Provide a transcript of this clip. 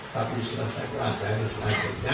tapi setelah saya pelajarin selanjutnya